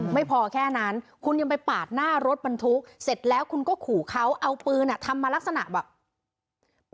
ไม่พอแค่นั้นคุณยังไปปาดหน้ารถบรรทุกเสร็จแล้วคุณก็ขู่เขาเอาปืนทำมาลักษณะแบบ